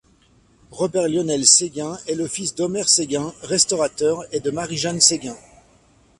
Robert-Lionel Séguin est le fils d'Omer Séguin, restaurateur, et de Marie-Jeanne Séguin.